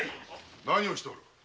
何をしておる。